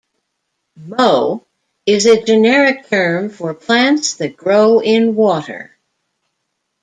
"Mo" is a generic term for plants that grow in water.